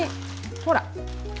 ほら！